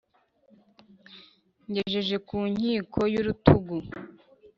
ngejeje ku nkiko y' urutugu